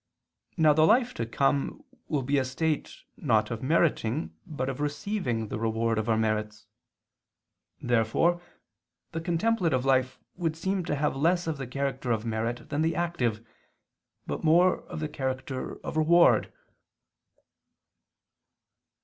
Now the life to come will be a state not of meriting but of receiving the reward of our merits. Therefore the contemplative life would seem to have less of the character of merit than the active, but more of the character of reward.